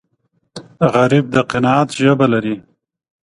غریب د قناعت ژبه لري